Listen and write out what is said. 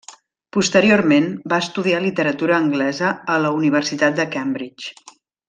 Posteriorment, va estudiar literatura anglesa a la Universitat de Cambridge.